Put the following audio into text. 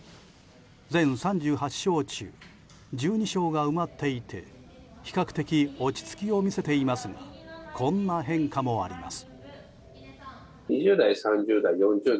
全３８床中１２床が埋まっていて比較的落ち着きを見せていますがこんな変化もあります。